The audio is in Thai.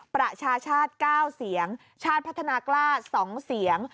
ประชาชาติ๙เสียงชาติพัฒนากล้า๒เสียง